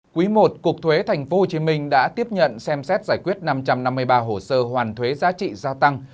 quý i cục thuế tp hcm đã tiếp nhận xem xét giải quyết năm trăm năm mươi ba hồ sơ hoàn thuế giá trị gia tăng